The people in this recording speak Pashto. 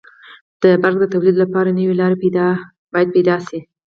• د برېښنا د تولید لپاره نوي لارې باید پیدا شي.